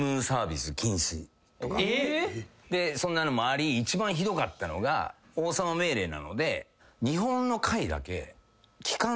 そんなのもあり一番ひどかったのが王様命令なので。